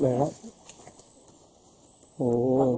โห